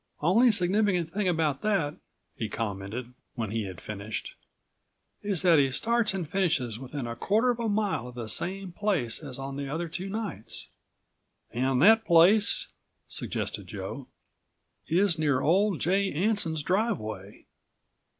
"Only significant thing about that," he commented, when he had finished, "is that he starts and finishes within a quarter of a mile of the same place as on the other two nights." "And that place—" suggested Joe. "Is near old J. Anson's driveway."